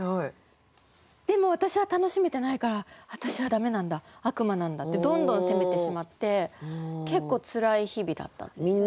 でも私は楽しめてないから「私は駄目なんだ悪魔なんだ」ってどんどん責めてしまって結構つらい日々だったんですよね。